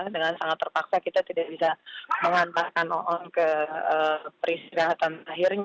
dengan sangat terpaksa kita tidak bisa mengantarkan oon ke peristirahatan akhirnya